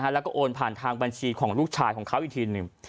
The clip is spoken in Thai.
แล้วก็โอนผ่านทางบัญชีของลูกชายของเขาอีกทีหนึ่ง